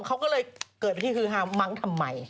เขาก็เลยเกิดที่คือฮามั้งทำไม